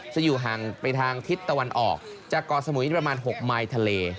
จะอยู่ห่างไปทางทิศตะวันออกจากก่อสมุยประมาณ๖ไมล์ทะเล